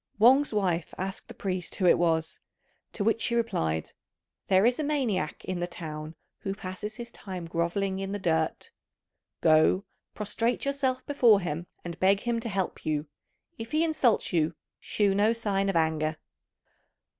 Wang's wife asked the priest who it was; to which he replied, "There is a maniac in the town who passes his time grovelling in the dirt. Go, prostrate yourself before him, and beg him to help you. If he insults you, shew no sign of anger."